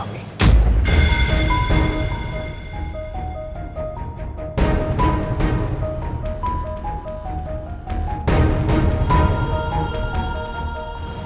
quote dalam dalam